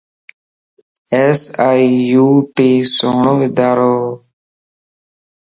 ايس. آئي. يو. ٽي سھڻو ادارو وَ.